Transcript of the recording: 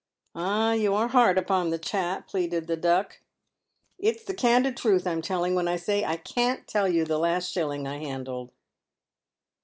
"Ah, you are hard upon a chap," pleaded the Duck. "It's the candid truth I'm telling, when I say, I can't tell you the last shilling I handled."